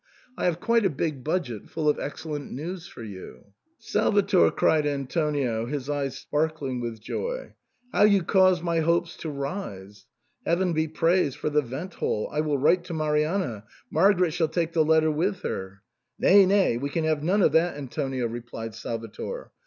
I have quite a big budget full of excel lent news for you." " Salvator !" cried Antonio, his eyes sparkling with joy, " how you cause my hopes to rise ! Heaven be praised for the vent hole. I will write to Marianna ; Margaret shall take the letter with her " "Nay, nay, we can have none of that, Antonio," replied Salvator.